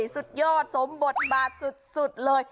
สุดยอดสมบทบาทสุดเลย